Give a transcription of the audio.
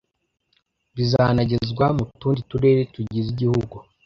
bizanagezwa mu tundi turere tugize igihugu.